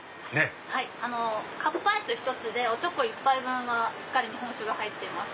カップアイス１つでおちょこ１杯分はしっかり日本酒が入ってます。